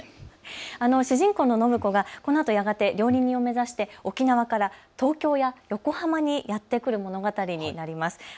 主人公の暢子は、このあとやがて料理人を目指して沖縄から東京や横浜にやって来る物語になります。